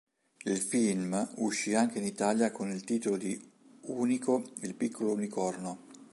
Il film uscì anche in Italia col titolo di "Unico il piccolo unicorno".